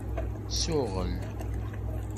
Suɣel.